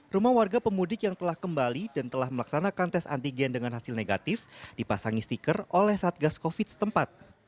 rumah warga pemudik yang telah kembali dan telah melaksanakan tes antigen dengan hasil negatif dipasangi stiker oleh satgas covid setempat